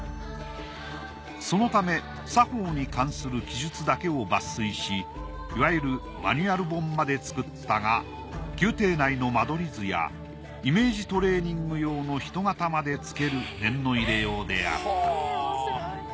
そのため作法に関する記述だけを抜粋しいわゆるマニュアル本まで作ったが宮廷内の間取り図やイメージトレーニング用の人形までつける念の入れようであった。